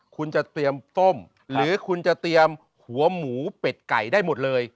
คุณจะเตรียมต้มหรือคุณจะเตรียมหัวหมูเป็ดไก่ได้หมดเลย